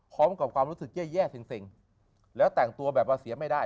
พร้อมกับความรู้สึกแย่ซิ่งแล้วแต่งตัวแบบว่าเสียไม่ได้